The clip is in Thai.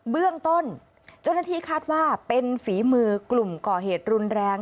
เบื้องต้นเจ้าหน้าที่คาดว่าเป็นฝีมือกลุ่มก่อเหตุรุนแรง